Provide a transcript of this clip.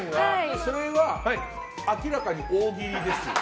それは明らかに大喜利ですよね。